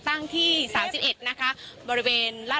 คุณคุณค่ะคุณค่ะ